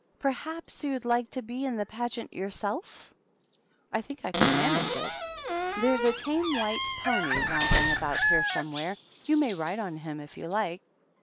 Perhaps you'd like to be in the Pageant yourself? I think I could manage it. There's a tame white pony wandering about here somewhere ; you may ride on him if you like."